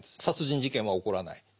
殺人事件は起こらない。